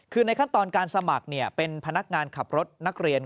คือในขั้นตอนการสมัครเป็นพนักงานขับรถนักเรียน